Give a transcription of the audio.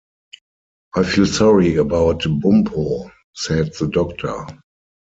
“I feel sorry about Bumpo,” said the Doctor.